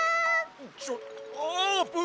ちょあーぷん！